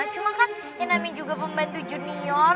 cuma kan ya nami juga pembantu junior